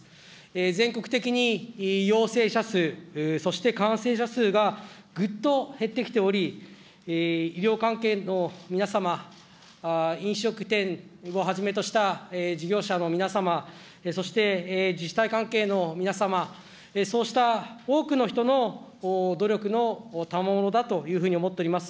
全国的に陽性者数、そして感染者数がぐっと減ってきており、医療関係の皆様、飲食店をはじめとした事業者の皆様、そして自治体関係の皆様、そうした多くの人の努力のたまものだというふうに思っております。